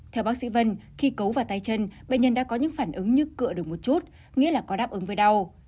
theo bác sĩ vân khi cấu vào tay chân bệnh nhân đã có những phản ứng như cựa được một chút nghĩa là có đáp ứng với đau